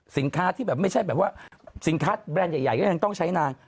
ที่แบบไม่ใช่แบบว่าสินค้าแบรนด์ใหญ่ก็ยังต้องใช้นาน